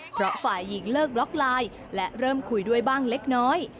เพราะฝ่ายหญิงเลิกบล็อกไลน์และเริ่มคุยด้วยบ้างเล็กน้อย